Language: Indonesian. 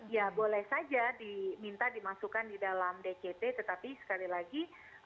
ya boleh saja diminta dimasukkan di dalam dct tetapi sekali lagi